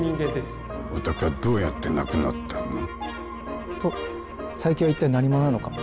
お宅はどうやって亡くなったの？と佐伯は一体何者なのか。